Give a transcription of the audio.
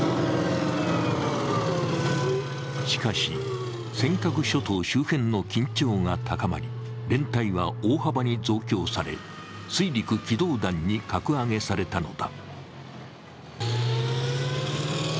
しかし、尖閣諸島周辺の緊張が高まり連隊は大幅に増強され、水陸機動団に格上げされたのだ。